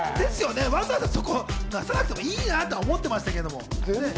わざわざ出さなくていいと思ってましたけどね。